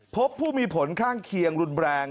พบผู้มีผลข้างเคียงรุนแรง